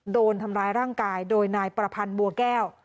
โดนทำร้ายร่างกายโดยนายประพันธ์บัวแก้ว